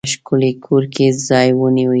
په ښکلي کور کې ځای ونیوی.